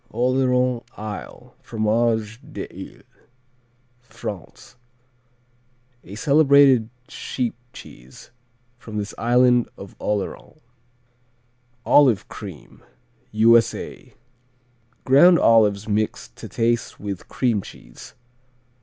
Oléron Isle, Fromage d'Ile France A celebrated sheep cheese from this island of Oléron. Olive Cream U.S.A. Ground olives mixed to taste with cream cheese.